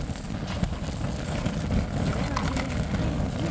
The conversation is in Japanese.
夢の球宴、第２夜。